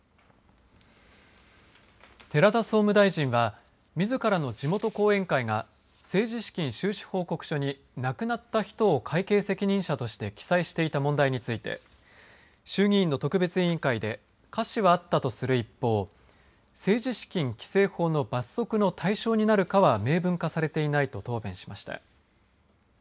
寺田総務大臣はみずからの地元後援会が政治資金収支報告書に亡くなった人を会計責任者として記載していた問題について衆議院の特別委員会でかしはあったとする一方政治資金規制法の罰則の対象になるかは明文化されていないと答弁しました。